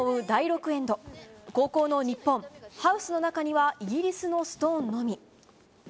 第６エンド後攻の日本ハウスの中にはイギリスのストーンのみ。